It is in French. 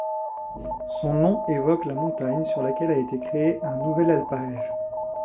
Son nom évoque la montagne sur laquelle a été créé un nouvel alpage.